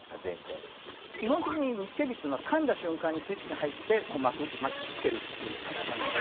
基本的にニシキヘビっていうのは噛んだ瞬間にスイッチが入ってこう巻きつけるっていう感じなので。